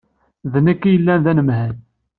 D nekk i yellan d anemhal.